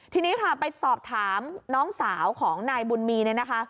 ทีนี้ค่ะไปสอบถามน้องสาวของนายบุญมีเนี่ยนะคะ